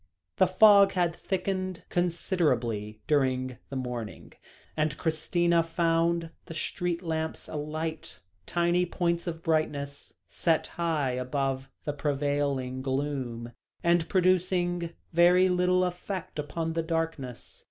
The fog had thickened considerably during the morning, and Christina found the street lamps alight tiny points of brightness set high above the prevailing gloom, and producing very little effect upon the darkness.